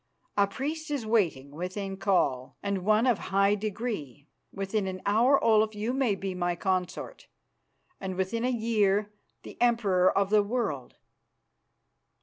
A priest is waiting within call, and one of high degree. Within an hour, Olaf, you may be my consort, and within a year the Emperor of the World.